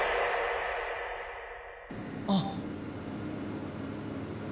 あっ！